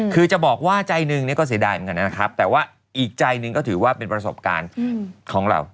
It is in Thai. คือจะบอกว่าใจหนึ่งเนี่ยก็เสียดายเหมือนกันนะครับแต่ว่าอีกใจหนึ่งก็ถือว่าเป็นประสบการณ์ของเรา